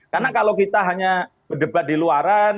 karena kalau kita hanya berdebat di luaran